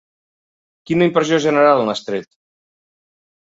Quina impressió general n'has tret?